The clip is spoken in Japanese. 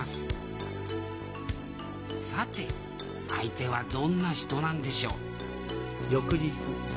さて相手はどんな人なんでしょう？